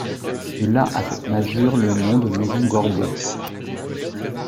De là à cette masure le nom de maison Gorbeau.